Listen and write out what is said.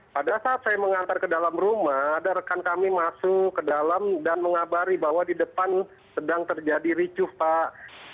pada saat saya mengantar ke dalam rumah ada rekan kami masuk ke dalam dan mengabari bahwa di depan sedang terjadi ricuh pak